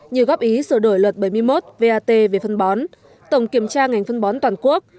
như góp ý sửa đổi luật bảy mươi một vat về phân bón tổng kiểm tra ngành phân bón toàn quốc